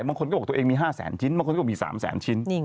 บางคนก็บอกตัวเองมี๕๐๐๐๐๐ชิ้นบางคนก็บอกมี๓๐๐๐๐๐ชิ้น